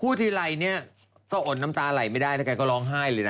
ทีไรเนี่ยก็อดน้ำตาไหลไม่ได้แล้วแกก็ร้องไห้เลยนะ